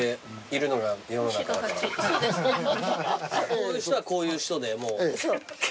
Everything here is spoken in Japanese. こういう人はこういう人でもう。